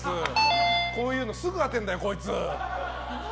こういうのすぐ当てるんだよ。